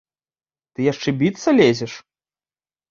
Ты яшчэ біцца лезеш?